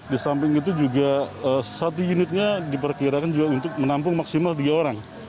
di samping itu juga satu unitnya diperkirakan juga untuk menampung maksimal tiga orang